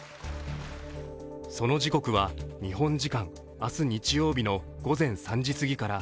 その時刻は日本時間明日、日曜日の午前３時すぎから